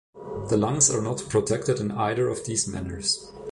The lungs are not protected in either of these manners.